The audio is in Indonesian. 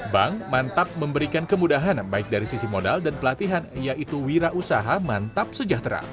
bank mantap memberikan kemudahan baik dari sisi modal dan pelatihan yaitu wira usaha mantap sejahtera